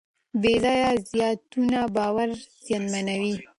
بېځایه زیاتونې باور زیانمنوي.